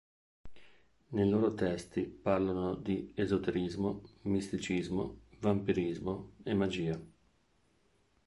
Nei loro testi parlano di esoterismo, misticismo, vampirismo e magia.